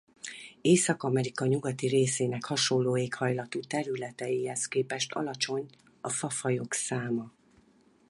Észak-Amerika nyugati részének hasonló éghajlatú területeihez képest alacsony a fafajok száma.